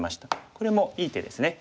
これもいい手ですね。